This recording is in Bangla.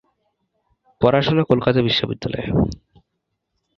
পড়াশোনা কলকাতা বিশ্ববিদ্যালয়ে।